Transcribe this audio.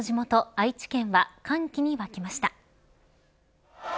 愛知県は歓喜に沸きました。